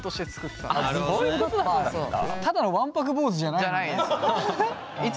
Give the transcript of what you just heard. ただのわんぱく坊主じゃないんだね。